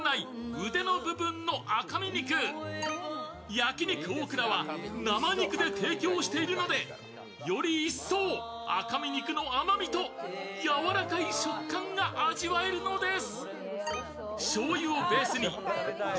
焼肉大倉は生肉で提供しているので、より一層、赤身肉の甘みとやわらかい食感が味わえるのです。